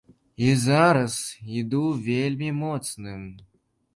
І зараз іду вельмі моцным.